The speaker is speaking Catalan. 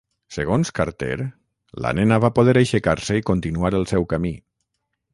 Segons Carter, la nena va poder aixecar-se i continuar el seu camí.